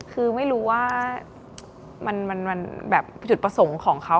คือไม่รู้ว่ามันแบบจุดประสงค์ของเขา